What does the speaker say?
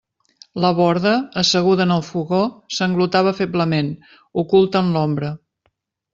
La Borda, asseguda en el fogó, sanglotava feblement, oculta en l'ombra.